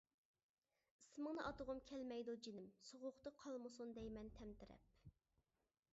ئىسمىڭنى ئاتىغۇم كەلمەيدۇ جېنىم، سوغۇقتا قالمىسۇن دەيمەن تەمتىرەپ.